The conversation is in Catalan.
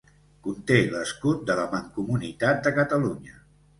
Conté l'escut de la Mancomunitat de Catalunya.